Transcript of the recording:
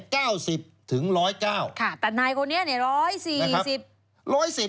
ค่ะแต่นายคนนี้๑๔๐